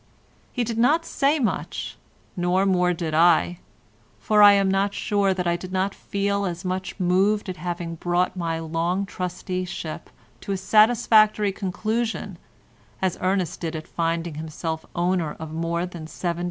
He did not say much—no more did I, for I am not sure that I did not feel as much moved at having brought my long trusteeship to a satisfactory conclusion as Ernest did at finding himself owner of more than £70,000.